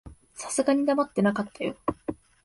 さすがに黙ってなかったよ。